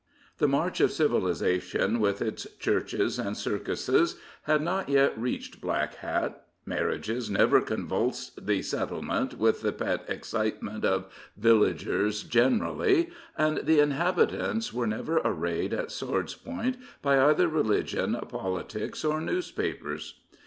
The march of civilization, with its churches and circuses, had not yet reached Black Hat; marriages never convulsed the settlement with the pet excitement of villages generally, and the inhabitants were never arrayed at swords' point by either religion, politics or newspapers.